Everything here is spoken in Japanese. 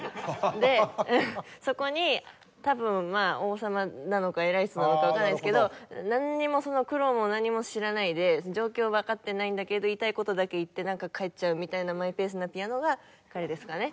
でそこに多分王様なのか偉い人なのかわからないですけどなんにもその苦労も何も知らないで状況をわかってないんだけど言いたい事だけ言ってなんか帰っちゃうみたいなマイペースなピアノが彼ですかね。